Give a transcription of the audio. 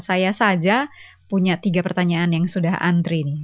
saya saja punya tiga pertanyaan yang sudah antri nih